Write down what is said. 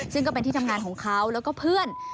ซึ่งก็เป็นที่ทำงานของเขาแล้วก็เพื่อน